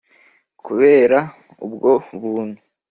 kubera ubwo buntu